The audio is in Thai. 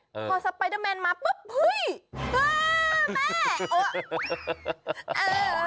พอสแตดเมนมาปึ๊บม่า